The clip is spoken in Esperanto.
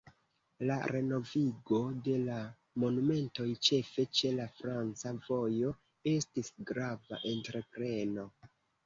La renovigo de la monumentoj, ĉefe ĉe la franca vojo, estis grava entrepreno.